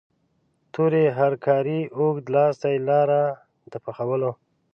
تورې هرکارې اوږد لاستی لاره د پخولو.